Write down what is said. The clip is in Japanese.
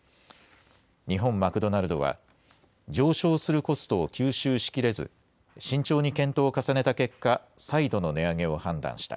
日本マクドナルドは、上昇するコストを吸収しきれず、慎重に検討を重ねた結果、再度の値上げを判断した。